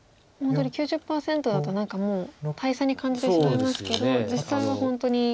本当に９０％だと何かもう大差に感じてしまいますけど実際は本当に。